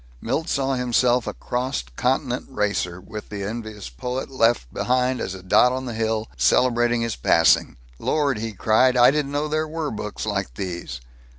Milt saw himself a cross continent racer, with the envious poet, left behind as a dot on the hill, celebrating his passing. "Lord!" he cried. "I didn't know there were books like these!